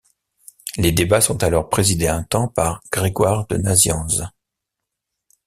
Les débats sont alors présidés un temps par Grégoire de Nazianze.